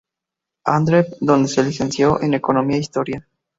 Andrews, donde se licenció en economía e historia.